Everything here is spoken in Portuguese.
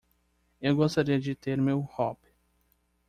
Eu gostaria de ter meu robe.